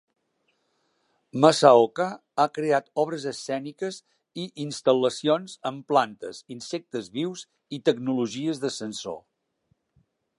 Masaoka ha creat obres escèniques i instal·lacions amb plantes, insectes vius i tecnologies de sensor.